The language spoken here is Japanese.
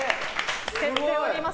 せっております。